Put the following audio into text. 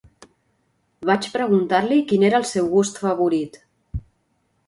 Vaig preguntar-li quin era el seu gust favorit.